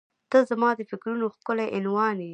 • ته زما د فکرونو ښکلی عنوان یې.